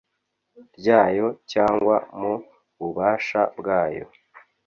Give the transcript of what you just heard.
ryayo cyangwa mu bubasha bwayo